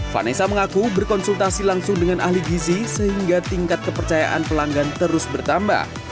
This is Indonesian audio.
vanessa mengaku berkonsultasi langsung dengan ahli gizi sehingga tingkat kepercayaan pelanggan terus bertambah